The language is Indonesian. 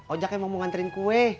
ujaknya mau nganterin kue